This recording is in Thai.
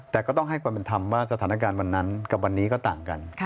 แต่ก็ต้องให้ความเป็นธรรมว่าสถานการณ์วันนั้นกับวันนี้ก็ต่างกัน